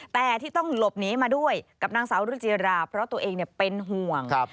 แต่ที่ต้องหลบหนีมาด้วยกับนางสาวรุจิราเพราะตัวเองเป็นห่วง